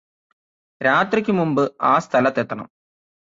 രാത്രിയ്ക് മുമ്പ് ആ സ്ഥലത്തെത്തണം